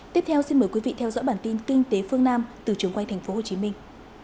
tiếp theo xin mời quý vị theo dõi bản tin kinh tế phương nam từ trường quay thành phố hồ chí minh